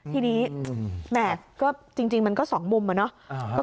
ทีนี้แหมกจริงมันก็๒มุมเหรอเนอะ